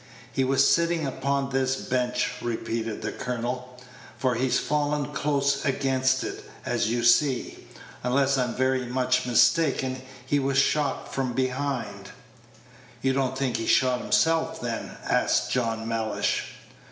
"He was sitting upon this bench," repeated the colonel, "for he's fallen close against it, as you see. Unless I'm very much mistaken, he was shot from behind." "You don't think he shot himself, then?" asked John Mellish.